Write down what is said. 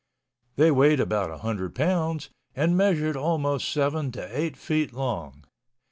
They weighed about one hundred pounds and measured almost seven to eight feet long.